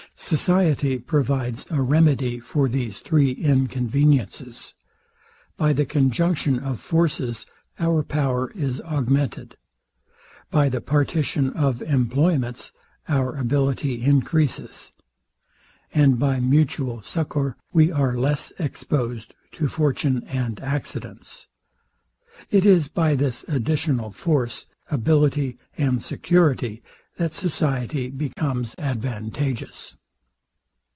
Society provides a remedy for these three inconveniences. By the conjunction of forces, our power is augmented: By the partition of employments, our ability encreases: And by mutual succour we are less exposed to fortune and accidents. It is by this additional force, ability, and security, that society becomes advantageous.